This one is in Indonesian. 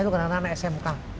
itu kadang kadang smk